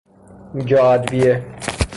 جا ادویه